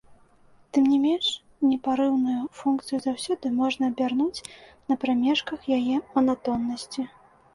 Тым не менш, непарыўную функцыю заўсёды можна абярнуць на прамежках яе манатоннасці.